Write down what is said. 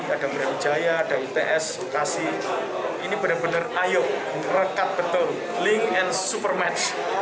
ada brawijaya ada uts bekasi ini benar benar ayo rekat betul link and super match